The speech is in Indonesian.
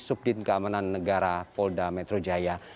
dik subdin keamanan negara mapolda metro jaya